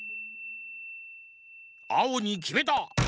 あおにきめた！